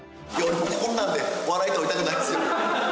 俺こんなんで笑いとりたくないですよ。